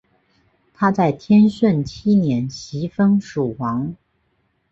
他在天顺七年袭封蜀王。